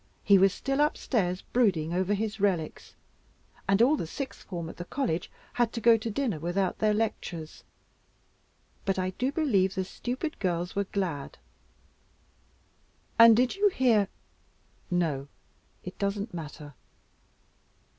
He was still upstairs, brooding over his relics, and all the sixth form at the College had to go to dinner without their lectures; but I do believe the stupid girls were glad." "And did you hear no, it doesn't matter."